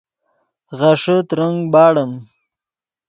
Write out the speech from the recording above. غیݰے ترنگ باڑیم